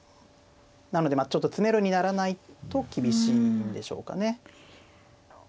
なのでちょっと詰めろにならないと厳しいんでしょうかね。